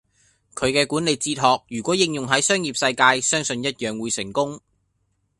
佢嘅管理哲學如果應用係商業世界，相信一樣會成功。